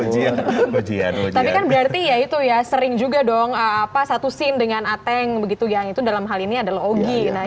tapi kan berarti ya itu ya sering juga dong satu scene dengan ateng begitu yang itu dalam hal ini adalah ogi